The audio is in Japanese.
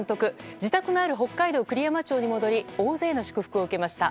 自宅のある北海道栗山町に戻り大勢の祝福を受けました。